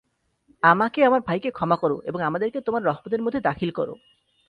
আমাকে ও আমার ভাইকে ক্ষমা করো এবং আমাদেরকে তোমার রহমতের মধ্যে দাখিল কর।